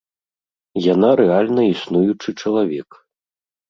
Яна рэальна існуючы чалавек.